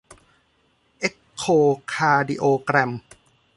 เอ็คโคคาร์ดิโอแกรม